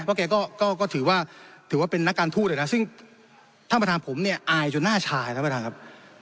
เพราะแกก็ถือว่าถือว่าเป็นนักการทูตเลยนะซึ่งท่านประธานผมเนี่ยอายจนหน้าชายท่านประธานครับ